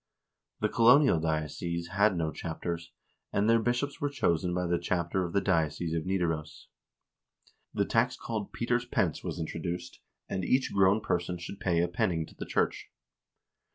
The colonial dioceses had no chapters, and their bishops were chosen by the chapter of the diocese of Nidaros. The tax called " Peter's Pence" was introduced, and each grown person should pay a penning to the church.